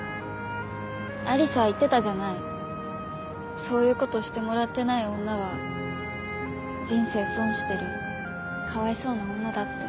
アリサ言ってたじゃないそういうことしてもらってない女は人生損してるかわいそうな女だって。